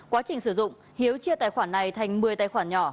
quá trình sử dụng hiếu chia tài khoản này thành một mươi tài khoản nhỏ